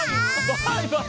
バイバイ。